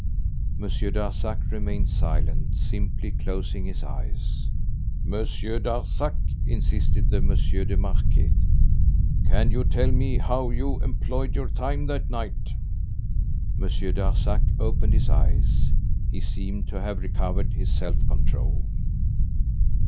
Monsieur Darzac remained silent, simply closing his eyes. "Monsieur Darzac," insisted Monsieur de Marquet, "can you tell me how you employeeed your time, that night?" Monsieur Darzac opened his eyes. He seemed to have recovered his self control.